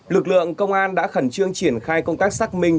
lực lượng công an đã khẩn trương triển khai công tác xác minh